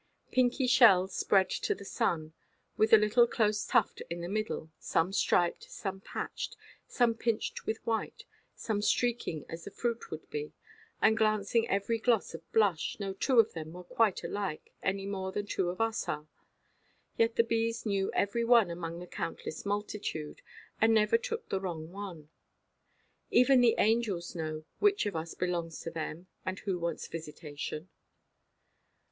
Pinky shells spread to the sun, with the little close tuft in the middle; some striped, some patched, some pinched with white, some streaking as the fruit would be, and glancing every gloss of blush—no two of them were quite alike, any more than two of us are. Yet the bees knew every one among the countless multitude, and never took the wrong one; even as the angels know which of us belongs to them, and who wants visitation.